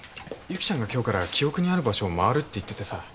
由岐ちゃんが今日から記憶にある場所を回るって言っててさ。